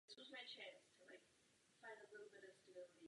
Reaguje na postup archeologických výzkumů v Palestině.